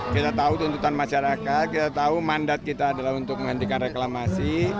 kita tahu tuntutan masyarakat kita tahu mandat kita adalah untuk menghentikan reklamasi